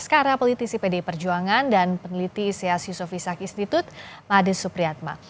sekarang politisi pdi perjuangan dan peneliti seas yusofisak institute mahathir supriyatma